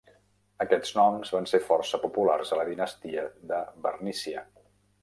Aquests noms van ser força populars a la dinastia de Bernícia.